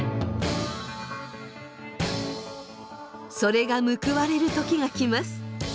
それが報われる時が来ます。